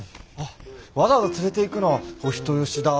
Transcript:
わざわざ連れていくのはお人よしだぁ。